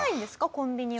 コンビニは。